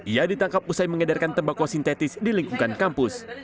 ia ditangkap usai mengedarkan tembakau sintetis di lingkungan kampus